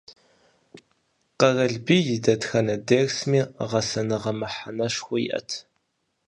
Къэралбий и дэтхэнэ дерсми гъэсэныгъэ мыхьэнэшхуэ иӀэт.